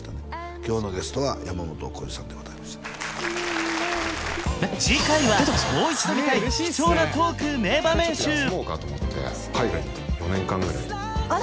今日のゲストは山本耕史さんでございました次回はもう一度見たい貴重なトーク名場面集海外に４年間ぐらいあれ？